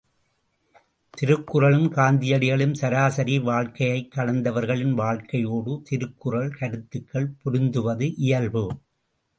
திருக்குறளும் காந்தியடிகளும் சராசரி வாழ்க்கையைக் கடந்தவர்களின் வாழ்க்கையோடு திருக்குறள் கருத்துக்கள் பொருந்துவது இயல்பு.